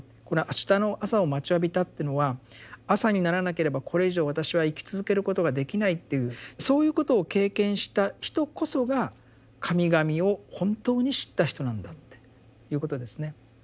この「明日の朝を待ちわびた」っていうのは朝にならなければこれ以上私は生き続けることができないっていうそういうことを経験した人こそが神々を本当に知った人なんだっていうことですね。